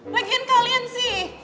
lagian kalian sih